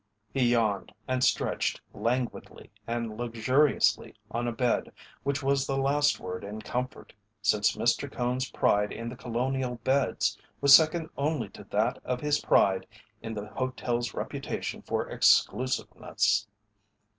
He yawned and stretched languidly and luxuriously on a bed which was the last word in comfort, since Mr. Cone's pride in The Colonial beds was second only to that of his pride in the hotel's reputation for exclusiveness.